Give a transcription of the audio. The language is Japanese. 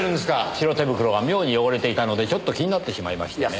白手袋が妙に汚れていたのでちょっと気になってしまいましてねぇ。